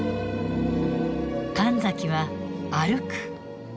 神崎は歩く。